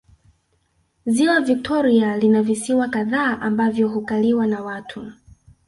Ziwa Victoria lina visiwa kadhaa ambavyo hukaliwa na watu